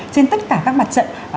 trên tất cả các mặt trận